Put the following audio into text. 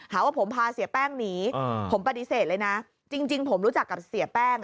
หาว่าผมพาเสียแป้งหนีผมปฏิเสธเลยนะจริงผมรู้จักกับเสียแป้ง